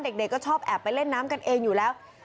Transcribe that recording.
เด็กก็ชอบแอบไปเล่นน้ำกันเองอยู่แล้ว